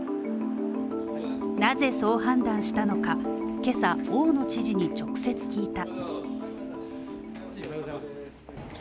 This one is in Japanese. なぜそう判断したのか今朝、大野知事に直接聞いた。